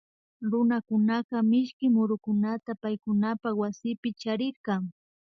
Runakunaka mishki murukunata paykunapak waspi charirka